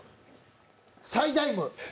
サイダイム。